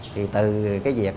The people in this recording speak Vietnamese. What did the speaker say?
thì từ cái việc